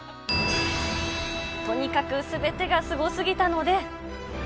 とにかくすべてがすごすぎたので。